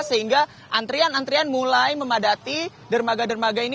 sehingga antrean antrean mulai memadati dermaga dermaga ini